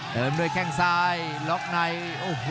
เดินด้วยแข้งซ้ายล็อกในโอ้โห